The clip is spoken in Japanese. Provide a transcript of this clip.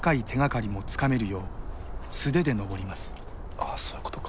ああそういうことか。